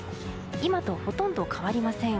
今とほとんど変わりません。